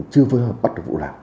chưa phối hợp bắt được vụ lạ